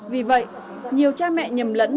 vì vậy nhiều cha mẹ nhầm lẫn